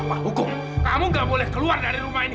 baru juga kakap